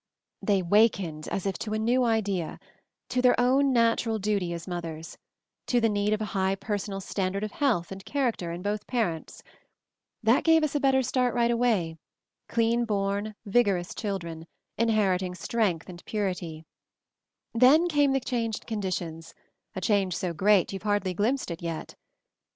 / "They wakened as if to a new idea, to their / own natural duty as mothers ; to the need of a high personal standard of health and character in both parents. That gave us a if \ MOVING THE MOUNTAIN 19? better start right away — clean born, vigor ous children, inheriting strength and purity. "Then came the change in conditions, a change so great youVe hardly glimpsed it yet.